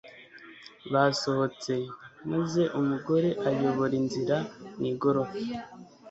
basohotse maze umugore ayobora inzira mu igorofa